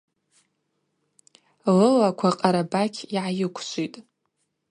Лылаква Къарабакь йгӏайыквшвитӏ.